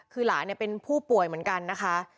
คือหลานเป็นผู้ป่วยเหมือนกันนะคะ